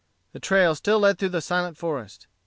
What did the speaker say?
The trail still led through the silent forest.